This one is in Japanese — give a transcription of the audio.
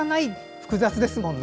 複雑ですものね。